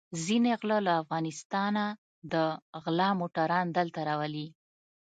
ځينې غله له افغانستانه د غلا موټران دلته راولي.